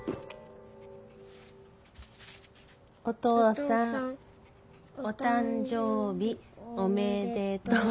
お父さんお誕生日おめでとう。